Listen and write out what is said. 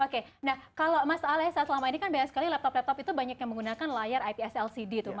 oke kalau mas alessa selama ini kan biasanya laptop laptop itu banyak yang menggunakan layar ips lcd